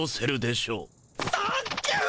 サンキュー！